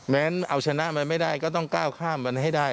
แม้เอาชนะมาไม่ได้ก็ต้องก้าวข้ามไปให้ได้